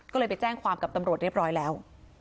ก็เลยไปแจ้งความกับตำรวจเรียบร้อยแล้ว